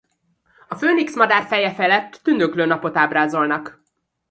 A főnix madár feje felett tündöklő napot ábrázolnak.